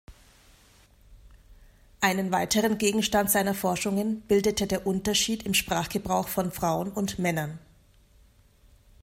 Einen weiteren Gegenstand seiner Forschungen bildete der Unterschied im Sprachgebrauch von Frauen und Männern.